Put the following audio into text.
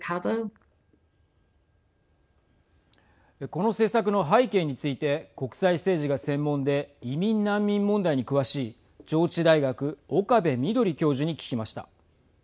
この政策の背景について国際政治が専門で移民・難民問題に詳しい上智大学、岡部みどり教授に聞きました。